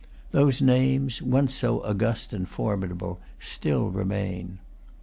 Those names, once so august and formidable, still remain.